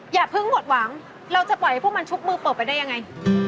อย่าเพิ่งหมดหวังเราจะปล่อยให้พวกมันชุบมือเปิดไปได้ยังไง